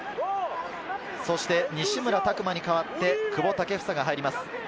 そして西村拓真に代わって久保建英が入ります。